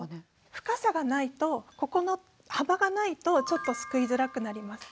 深さがないとここの幅がないとちょっとすくいづらくなります。